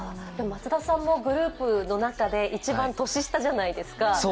松田さんのグループの中で一番年下じゃないですか。